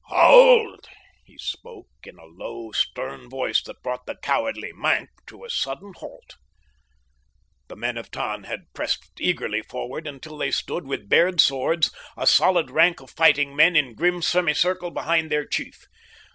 "Hold!" He spoke in a low, stern voice that brought the cowardly Maenck to a sudden halt. The men of Tann had pressed eagerly forward until they stood, with bared swords, a solid rank of fighting men in grim semicircle behind their chief.